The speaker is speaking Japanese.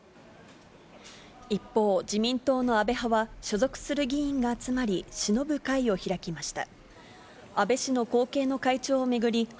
一方、自民党の安倍派は、所属する議員が集まり、しのぶ会を開きました。